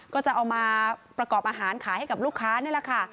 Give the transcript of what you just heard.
ก็จะเอามาประกอบอาหารขายให้กับลูกค้านี่แหละค่ะ